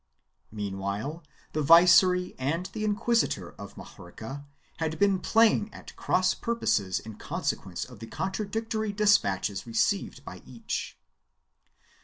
Meanwhile the Viceroy and the inquisitor of Majorca had been playing at cross purposes in consequence of the contradictory despatches received by each.